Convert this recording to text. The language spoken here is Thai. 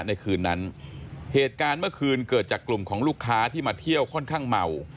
ในคืนนั้นเหตุการณ์เมื่อคืนเกิดจากกลุ่มของลูกค้าที่มาเที่ยวค่อนข้างเมา